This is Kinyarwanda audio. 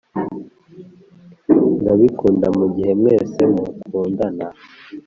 ndabikunda mugihe mwese mukundana.